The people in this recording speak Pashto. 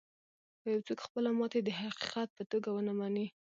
که يو څوک خپله ماتې د حقيقت په توګه و نه مني.